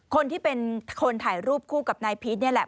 คนที่เป็นคนถ่ายรูปคู่กับนายพีชนี่แหละ